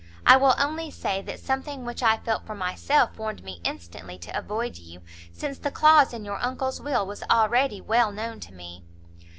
I will only say that something which I felt for myself, warned me instantly to avoid you, since the clause in your uncle's will was already well known to me."